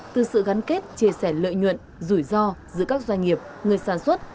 từ sự gắn kết chia sẻ lợi nhuận rủi ro giữa các doanh nghiệp người sản xuất